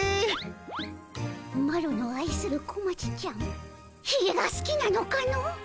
マロのあいする小町ちゃんひげがすきなのかの？